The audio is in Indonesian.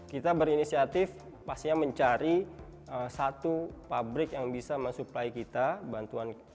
kita berinisiatif pastinya mencari satu pabrik yang bisa mensupply kita bantuan